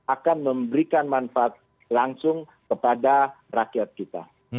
akan memberikan manfaat langsung kepada rakyat kita